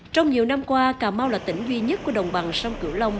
trong nhiều năm qua cà mau là tỉnh duy nhất của đồng bằng sông cửu long